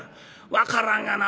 分からんがな。